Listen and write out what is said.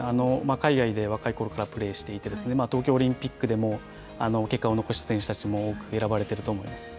海外で若い頃からプレーしていて、東京オリンピックでも結果を残した選手たちも多く選ばれていると思います。